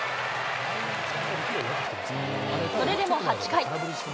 それでも８回。